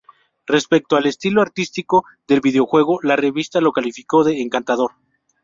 Respecto al estilo artístico del videojuego, la revista lo calificó de "encantador".